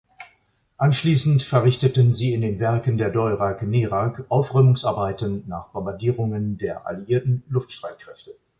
Anschließend verrichteten sie in den Werken der Deurag-Nerag Aufräumungsarbeiten nach Bombardierungen der alliierten Luftstreitkräfte.